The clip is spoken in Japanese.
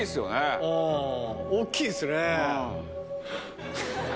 おっきいですね。